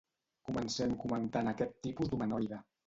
Comencem comentant aquest tipus d’humanoide.